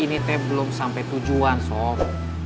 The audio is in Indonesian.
ini teh belum sampai tujuan sok